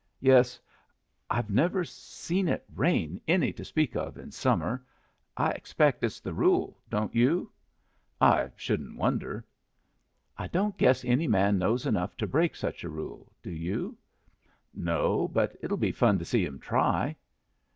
"Yes. I've never saw it rain any to speak of in summer. I expect it's the rule. Don't you?" "I shouldn't wonder." "I don't guess any man knows enough to break such a rule. Do you?" "No. But it'll be fun to see him try."